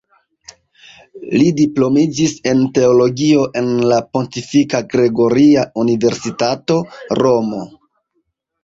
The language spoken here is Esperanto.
Li diplomiĝis en teologio en la Pontifika Gregoria Universitato, Romo.